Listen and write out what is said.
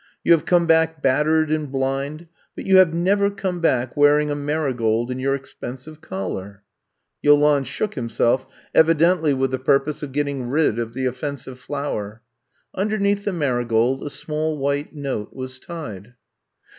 You have come back battered and blind, but you have never come back wearing a mari gold in your expensive collar.'* Yolande shook himself, evidently with the purpose 12 I'VE COME TO STAY of getting rid of the oflfensive flower. Un derneath the marigold a small white note was tied.